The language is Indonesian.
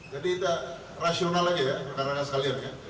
jadi itu rasional aja ya karena yang sekalian ya